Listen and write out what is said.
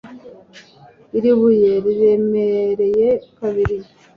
Iri buye riremereye kabiri